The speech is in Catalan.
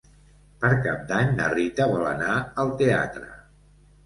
Per Cap d'Any na Rita vol anar al teatre.